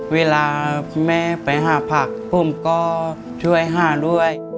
เวลาแม่ไปหาผักผมก็ช่วยหาด้วย